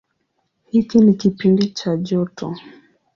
Hiki ni kipindi cha joto.